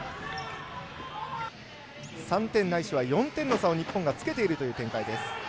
３点、ないしは４点の差を日本はつけているという展開です。